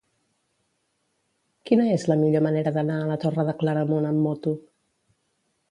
Quina és la millor manera d'anar a la Torre de Claramunt amb moto?